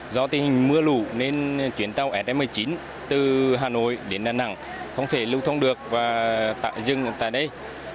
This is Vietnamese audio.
do tình hình mưa lũ nên chuyến tàu sm một mươi chín từ hà nội đến đà nẵng không thể lưu thông được và tạm dừng tại đây